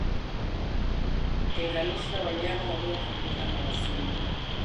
Tenganisha wanyama walioathirika na wazima